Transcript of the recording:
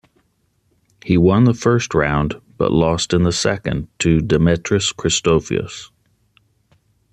He won the first round, but lost in the second to Demetris Christofias.